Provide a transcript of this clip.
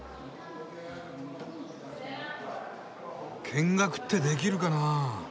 見学ってできるかなぁ？